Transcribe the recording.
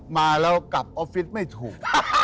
มาแล้วกลับออฟฟิศไม่ถูก